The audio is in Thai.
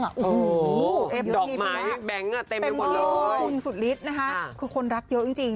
โอ้โฮเอฟนี่ไปแล้วเต็มอยู่คุณสุดฤทธิ์นะคะคุณรักเยอะจริง